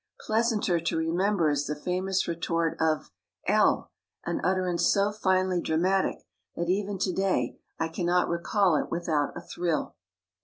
Pleasanter to remember is the famous retort of L , an utterance so finely dramatic that even to day I cannot recall it without a thrill.